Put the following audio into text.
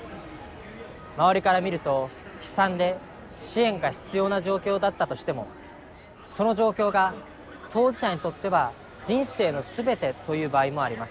周りから見ると悲惨で支援が必要な状況だったとしてもその状況が当事者にとっては人生の全てという場合もあります。